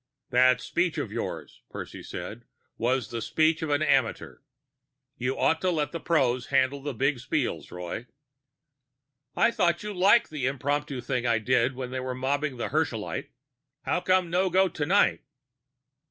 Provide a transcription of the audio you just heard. "That speech of yours," Percy said, "was the speech of an amateur. You ought to let pros handle the big spiels, Roy." "I thought you liked the impromptu thing I did when they mobbed that Herschelite. How come no go tonight?"